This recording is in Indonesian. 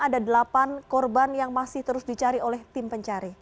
ada delapan korban yang masih terus dicari oleh tim pencari